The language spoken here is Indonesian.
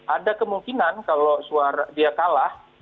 ada kemungkinan kalau suara dia kalah